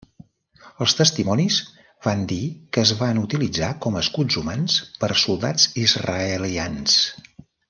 Els testimonis van dir que es van utilitzar com a escuts humans per soldats israelians.